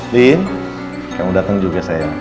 din kamu dateng juga sayang